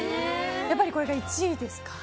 やっぱりこれが１位ですか。